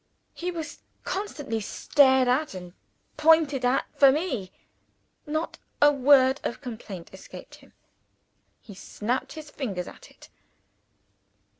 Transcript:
He was constantly stared at and pointed at, for me. Not a word of complaint escaped him. He snapped his fingers at it.